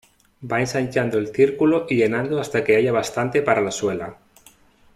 Va ensanchando el círculo y llenando hasta que haya bastante para la suela.